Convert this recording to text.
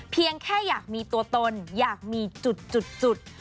เพียงแค่อยากมีตัวตนอยากมีจุด